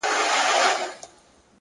هره ورځ د ښه کېدو فرصت دی